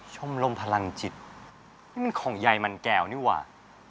ชมรมทรรณจิตนี่มันของใหญ่มันแก่วนี่ว่ะ